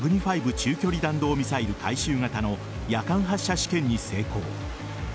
中距離弾道ミサイル改修型の夜間発射試験に成功。